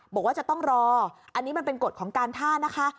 บอกว่าจะต้องรออันนี้มันเป็นกฎของการท่านะคะ